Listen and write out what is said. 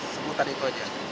sebutan itu saja